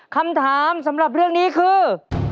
คำถามสำหรับเรื่องนี้คือ